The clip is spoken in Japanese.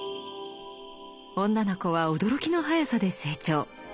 女の子は驚きのはやさで成長。